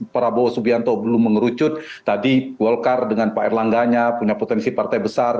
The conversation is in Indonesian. prabowo subianto belum mengerucut tadi golkar dengan pak erlangganya punya potensi partai besar